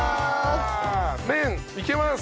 麺いけます。